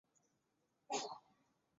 比赛设最佳老棋手。